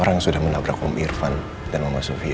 orang sudah menabrak om irfan dan mama sofia